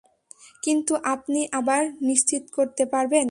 কিন্তু আপনি আবার নিশ্চিত করতে পারবেন?